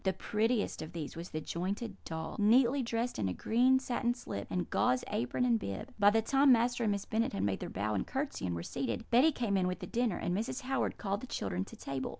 The prettiest of these was the jointed doll, neatly dressed in a green satin slip, and gauze apron and bib. "By the time Master and Miss Bennet had made their bow and curtsey, and were seated, Betty came in with the dinner, and Mrs. Howard called the children to table.